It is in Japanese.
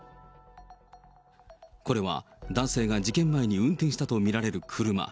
これは男性が事件前に運転したと見られる車。